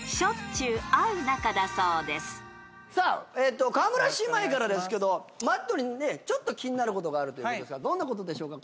えっと河村姉妹からですけどＭａｔｔにちょっと気になることがあるということですがどんなことでしょうか。